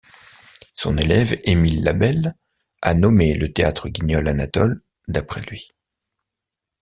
Son élève Émile Labelle a nommé le théâtre guignol Anatole d’après lui.